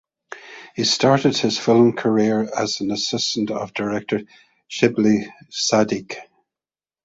He started his film career as an assistant of director Shibli Sadik.